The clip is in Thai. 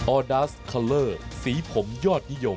อดาสคัลเลอร์สีผมยอดนิยม